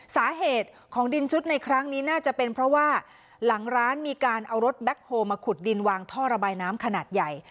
สาเหตุของดินซุดในครั้งนี้น่าจะเป็นเพราะว่าหลังร้านมีการเอารถแบ็คโฮลมาขุดดินวางท่อระบายน้ำขนาดใหญ่